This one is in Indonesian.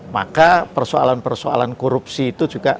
maka persoalan persoalan korupsi itu juga